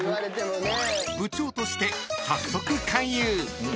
［部長として早速］